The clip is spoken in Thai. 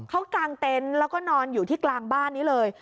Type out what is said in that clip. เขากางเต็นต์แล้วก็นอนอยู่ที่กลางบ้านนี้เลย